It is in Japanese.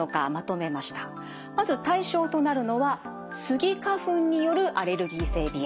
まず対象となるのはスギ花粉によるアレルギー性鼻炎。